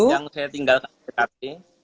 yang saya tinggalkan di tkp